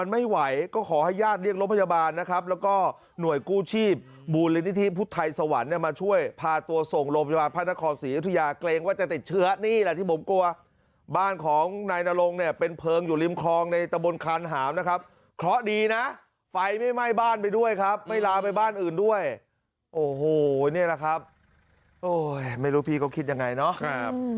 โอ้โหเนี่ยล่ะครับไม่รู้พี่เขาคิดอย่างไรเนาะ